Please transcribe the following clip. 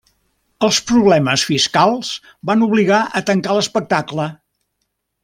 Els problemes fiscals van obligar a tancar l'espectacle.